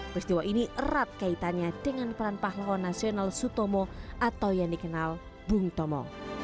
peristiwa ini erat kaitannya dengan peran pahlawan nasional sutomo atau yang dikenal bung tomo